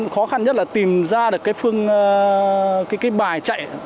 khó khăn nhất là tìm ra được cái bài chạy